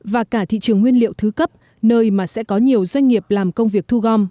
và cả thị trường nguyên liệu thứ cấp nơi mà sẽ có nhiều doanh nghiệp làm công việc thu gom